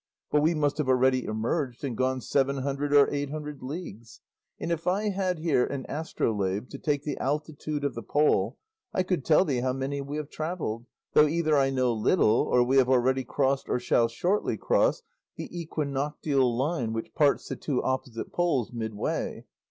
But we must have already emerged and gone seven hundred or eight hundred leagues; and if I had here an astrolabe to take the altitude of the pole, I could tell thee how many we have travelled, though either I know little, or we have already crossed or shall shortly cross the equinoctial line which parts the two opposite poles midway."